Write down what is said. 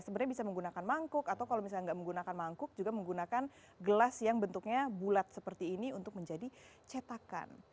sebenarnya bisa menggunakan mangkuk atau kalau misalnya nggak menggunakan mangkuk juga menggunakan gelas yang bentuknya bulat seperti ini untuk menjadi cetakan